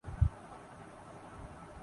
میں اپنی زندگی ایسے نہیں گزارنا چاہتا۔